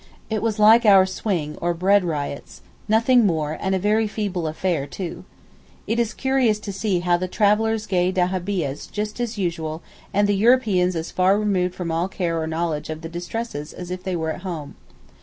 It was like our Swing, or bread riots, nothing more and a very feeble affair too. It is curious to see the travellers' gay dahabiehs just as usual and the Europeans as far removed from all care or knowledge of the distresses as if they were at home.